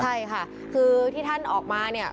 ใช่ค่ะคือที่ท่านออกมาเนี่ย